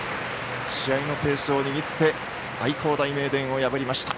試合のペースを握って愛工大名電を破りました。